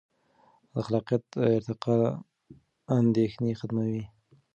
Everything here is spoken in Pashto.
د خلاقیت ارتقا اندیښنې ختموي.